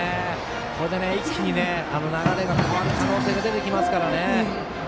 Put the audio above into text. これで一気に流れが変わる可能性が出てきますからね。